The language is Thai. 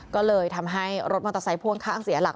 ก็เลยทำให้รถมอเตอร์ไซค์พ่วงข้างเสียหลัก